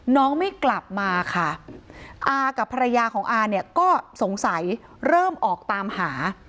น้องไม่กลับมาค่ะอากับภรรยาของอาเนี่ยก็สงสัยเริ่มออกตามหา